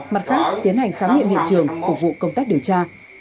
mặt khác tiến hành khám nghiệm hiện trường phục vụ công tác điều tra